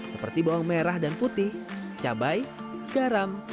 seperti bawang merah dan putih cabai garam